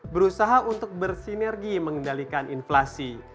berusaha untuk bersinergi mengendalikan inflasi